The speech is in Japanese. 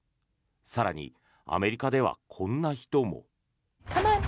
更に、アメリカではこんな人も。